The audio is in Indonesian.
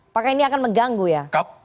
apakah ini akan mengganggu ya